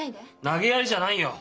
なげやりじゃないよ！